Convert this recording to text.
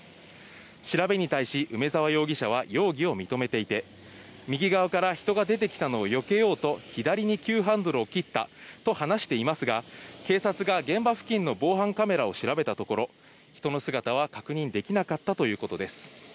調べに対し梅沢容疑者は容疑を認めていて、右側から人が出てきたのをよけようと左に急ハンドルを切ったと話していますが、警察が現場付近の防犯カメラを調べたところ、人の姿は確認できなかったということです。